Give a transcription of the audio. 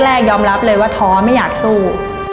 แรกยอมรับเลยว่าท้อไม่อยากสู้